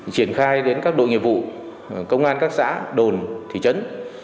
triển khai đến các đội nghiệp vụ công an các xã đồn thị trấn